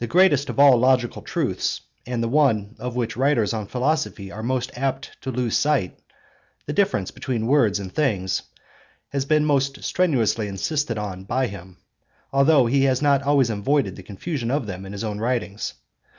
The greatest of all logical truths, and the one of which writers on philosophy are most apt to lose sight, the difference between words and things, has been most strenuously insisted on by him (cp. Rep.; Polit.; Cratyl. 435, 436 ff), although he has not always avoided the confusion of them in his own writings (e.